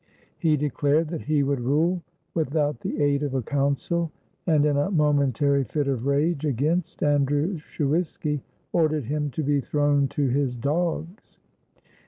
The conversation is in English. He declared that he would rule without the aid of a council, and, in a momentary fit of rage against Andrew Shuiski, ordered him to be thrown to his dogs.